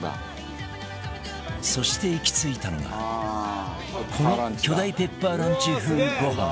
そして行き着いたのがこの巨大ペッパーランチ風ご飯